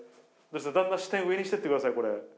だんだん視点上にしていってください。